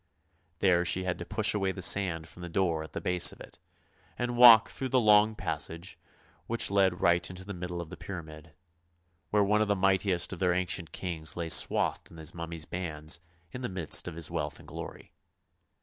Here she had to push away the sand from the door at the base of it, and walk through the long passage which led right into the middle of the pyramid, where one of the mightiest of their ancient kings lay swathed in his mummy's bands in the midst of his wealth and glory.